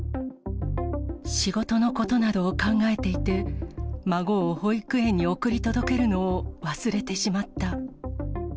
仕事のことなどを考えていて、孫を保育園に送り届けるのを忘れてしまった。